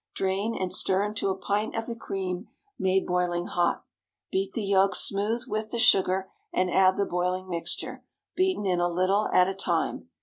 Drain, and stir into a pint of the cream made boiling hot. Beat the yolks smooth with the sugar, and add the boiling mixture, beaten in a little at a time.